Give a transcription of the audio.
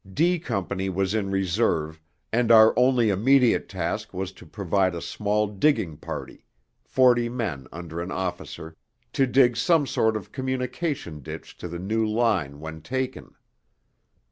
D Company was in reserve, and our only immediate task was to provide a small digging party, forty men under an officer, to dig some sort of communication ditch to the new line when taken.